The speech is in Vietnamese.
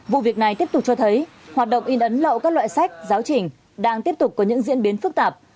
vụ việc này tiếp tục cho thấy hoạt động in ấn lậu các loại sách giáo trình đang tiếp tục có những diễn biến phức tạp